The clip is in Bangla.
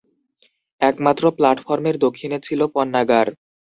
একমাত্র প্লাটফর্মের দক্ষিণে ছিল পণ্যাগার।